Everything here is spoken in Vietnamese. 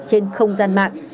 trên không gian mạng